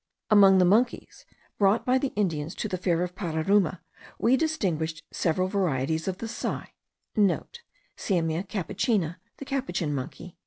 Among the monkeys, brought by the Indians to the fair of Pararuma, we distinguished several varieties of the sai,* (* Simia capucina the capuchin monkey.)